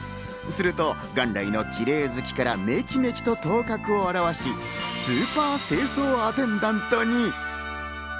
すると元来のキレイ好きからメキメキと頭角を現し、スーパー清掃アテンダントに。